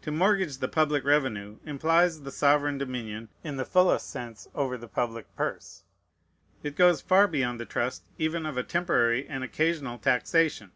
To mortgage the public revenue implies the sovereign dominion, in the fullest sense, over the public purse. It goes far beyond the trust even of a temporary and occasional taxation.